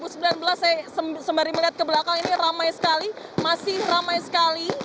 saya sembari melihat ke belakang ini ramai sekali masih ramai sekali